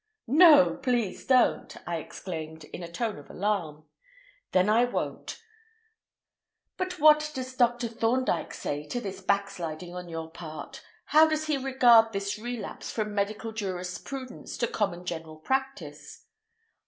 "No, please don't!" I exclaimed in a tone of alarm. "Then I won't. But what does Dr. Thorndyke say to this backsliding on your part? How does he regard this relapse from medical jurisprudence to common general practice?"